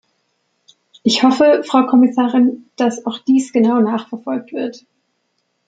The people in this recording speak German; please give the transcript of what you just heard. Ich hoffe, Frau Kommissarin, dass auch dies genau nachverfolgt wird.